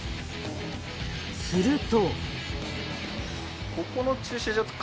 すると。